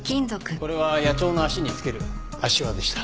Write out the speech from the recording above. これは野鳥の足につける足環でした。